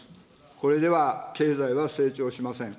これでは経済は成長しません。